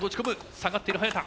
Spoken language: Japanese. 下がっている早田。